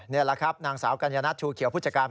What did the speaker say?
นี่แหละครับนางสาวกัญญนัทชูเขียวผู้จัดการ